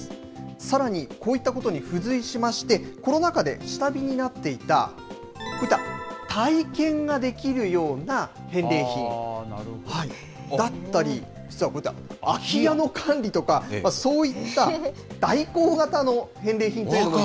さらにこういったことに付随しまして、コロナ禍で下火になっていた、こういった体験ができるような返礼品だったり、実はこういった空き家の管理とか、そういった、代行型の返礼品というのも。